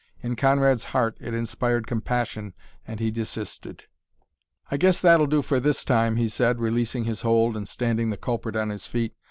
In Conrad's heart it inspired compassion and he desisted. "I guess that'll do for this time," he said, releasing his hold and standing the culprit on his feet.